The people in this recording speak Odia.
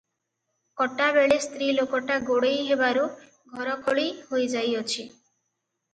କଟାବେଳେ ସ୍ତ୍ରୀ ଲୋକଟା ଗୋଡ଼େଇ ହେବାରୁ ଘର ଖୋଳି ହୋଇଯାଇଅଛି ।